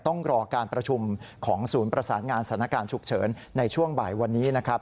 ต้องรอการประชุมของศูนย์ประสานงานสถานการณ์ฉุกเฉินในช่วงบ่ายวันนี้นะครับ